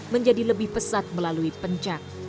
menjadi lebih pesat melalui pencak